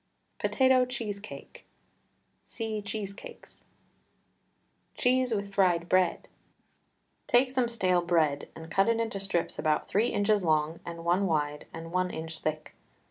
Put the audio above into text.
POTATO CHEESECAKE. (See CHEESECAKES.) CHEESE WITH FRIED BREAD. Take some stale bread, and cut it into strips about three inches long and one wide and one inch thick.